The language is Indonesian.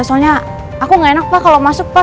soalnya aku gak enak pak kalau masuk pak